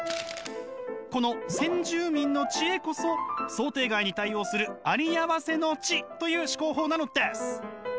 この先住民の知恵こそ想定外に対応するありあわせの知という思考法なのです！